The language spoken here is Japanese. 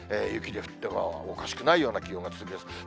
雪で降ってもおかしくないような気温が続きます。